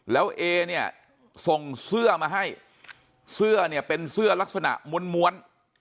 แล้วเอเนี่ยส่งเสื้อมาให้เสื้อเนี่ยเป็นเสื้อลักษณะม้วน